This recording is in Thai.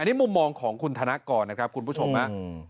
อันนี้มุมมองของคุณธนกรนะครับคุณผู้ชมฮะ